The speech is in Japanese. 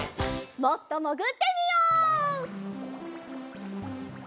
もっともぐってみよう。